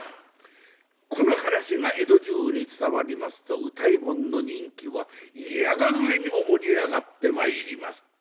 この話が江戸中に伝わりますと歌右衛門の人気はいやが上にも盛り上がってまいります。